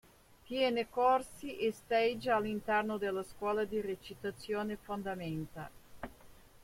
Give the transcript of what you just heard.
Tiene corsi e stage all'interno della scuola di recitazione "Fondamenta".